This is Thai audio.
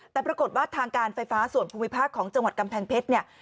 แต่ปรากฏว่าทางการไฟฟ้าส่วนภูมิภาคของจังหวัดกำแพงเพชรเนี่ย